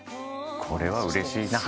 これはうれしいな。